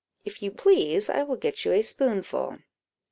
if you please, I will get you a spoonful."